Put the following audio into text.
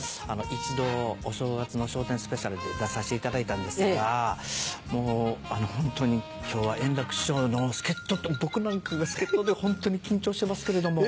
一度お正月の『笑点スペシャル』で出させていただいたんですがもうホントに今日は円楽師匠の助っ人って僕なんかが助っ人でホントに緊張してますけれども。